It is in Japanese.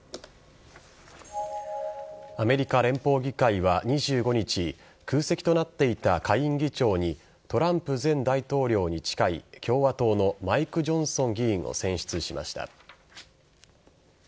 アメリカ連邦議会は２５日空席となっていた下院議長にトランプ前大統領に近い共和党のマイク・ジョンソン議員を選出しました。